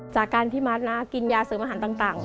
จากการที่มัดนะกินยาเสื้อมะหันต่าง